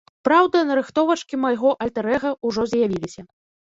Праўда, нарыхтовачкі майго альтэр-эга ўжо з'явіліся.